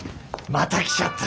また来ちゃった。